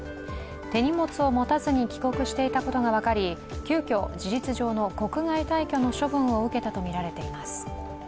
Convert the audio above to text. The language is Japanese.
手荷物を持たずに帰国していたことが分かり、急きょ、事実上の国外退去の処分を受けたとみられています。